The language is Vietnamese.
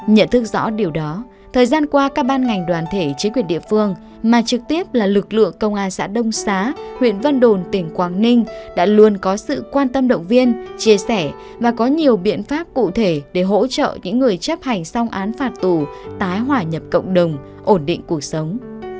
nhận thức rõ điều đó thời gian qua các ban ngành đoàn thể chế quyền địa phương mà trực tiếp là lực lượng công an xã đông xá huyện văn đồn tỉnh quảng ninh đã luôn có sự quan tâm động viên chia sẻ và có nhiều biện pháp cụ thể để hỗ trợ những người chấp hành xong án phạt tù tái hỏa nhập cộng đồng ổn định cuộc sống